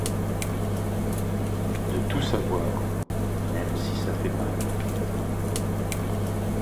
De tout savoir, même si ça fait mal.